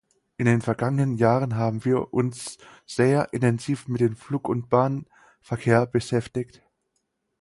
In den vergangenen Jahren haben wir uns sehr intensiv mit dem Flug- und Bahnverkehr beschäftigt.